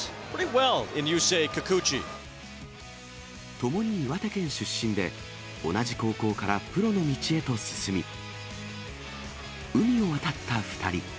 ともに岩手県出身で、同じ高校からプロの道へと進み、海を渡った２人。